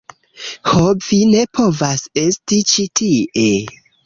Ho, vi ne povas esti ĉi tie